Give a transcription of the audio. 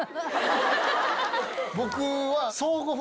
僕は。